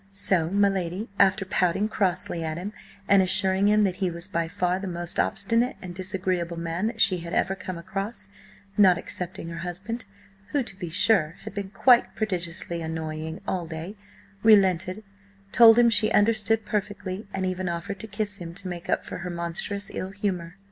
So my lady, after pouting crossly at him and assuring him that he was by far the most obstinate and disagreeable man that she had ever come across, not excepting her husband, who, to be sure, had been quite prodigiously annoying all day, relented, told him she understood perfectly, and even offered to kiss him to make up for her monstrous ill humour.